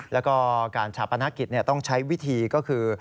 แล้วก็การชาปนกิจต้องใช้วิธีก็คือ